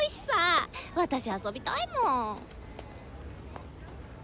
私遊びたいもん！